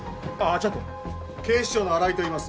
ちょっと警視庁の新井といいます